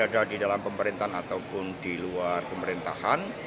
dalam pemerintahan ataupun di luar pemerintahan